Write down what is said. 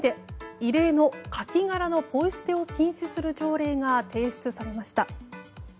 異例のカキ殻のポイ捨てを禁止する条例が提出されました。